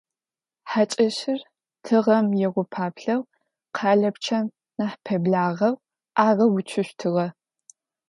Хьакӏэщыр тыгъэм егупаплъэу къэлапчъэм нахь пэблагъэу агъэуцущтыгъэ.